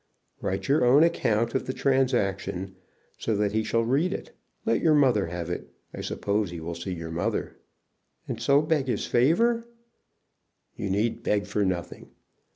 "Write your own account of the transaction, so that he shall read it. Let your mother have it. I suppose he will see your mother." "And so beg his favor." "You need beg for nothing.